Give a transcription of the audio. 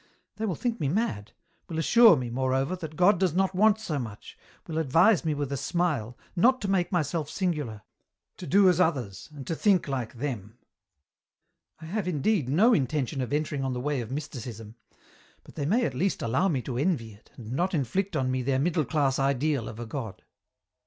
They will think me mad, will assure me, moreover, that God does not want so much, will advise me with a smile, not to make myself singular, to do as others, and to think like them. " I have indeed no intention of entering on the way of EN ROUTE. 37 Mysticism, but they may at least allow me to envy it and not inflict on me their middle class ideal of a God.